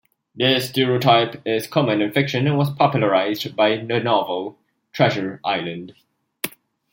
This stereotype is common in fiction and was popularized by the novel "Treasure Island".